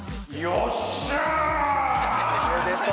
よっしゃ！